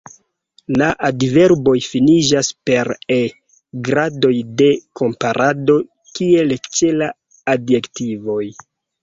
La adverboj finiĝas per e; gradoj de komparado kiel ĉe la adjektivoj.